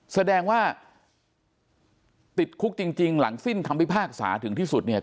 แสดงว่าติดคุกจริงหลังสิ้นคำพิพากษาถึงที่สุดเนี่ย